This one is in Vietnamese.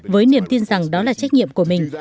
với niềm tin rằng đó là trách nhiệm của mình